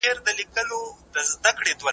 هر لبړ به مو كمان وو